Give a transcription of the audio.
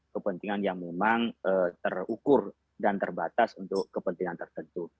kepentingan yang memang terukur dan terbatas untuk kepentingan tertentu